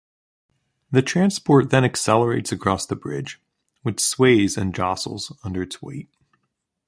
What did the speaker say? The transport then accelerates across the bridge which sways and jostles under its weight.